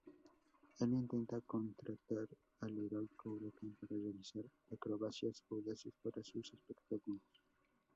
Él intenta contratar al heroico Huracán para realizar acrobacias audaces para sus espectáculos.